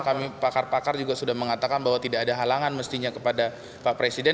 kami pakar pakar juga sudah mengatakan bahwa tidak ada halangan mestinya kepada pak presiden